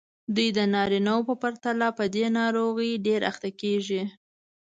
دوی د نارینه وو په پرتله په دې ناروغۍ ډېرې اخته کېږي.